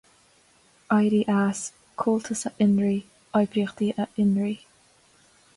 Éirí as; Comhaltas a Fhionraí; Oibríochtaí a Fhionraí.